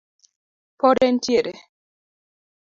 Pod en tiere